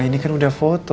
ini kan udah foto